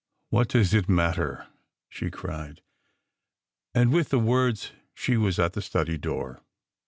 "What does it matter?" she cried; and with the words she was at the study door.